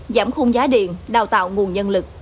giảm khung giá điện đào tạo nguồn nhân lực